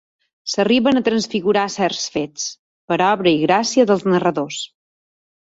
S'arriben a transfigurar certs fets, per obra i gràcia dels narradors.